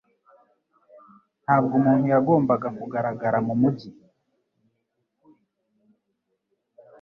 Ntabwo umuntu yagombaga kugaragara mumujyi.